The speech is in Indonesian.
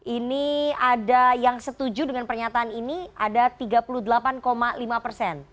ini ada yang setuju dengan pernyataan ini ada tiga puluh delapan lima persen